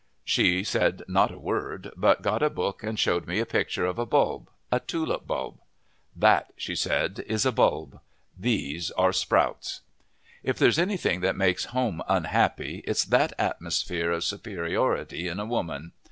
She said not a word, but got a book and showed me a picture of a bulb a tulip bulb. "That," she said, "is a bulb. These are sprouts." If there's anything that makes home unhappy, it's that atmosphere of superiority in a woman.